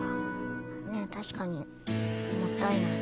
確かにもったいない。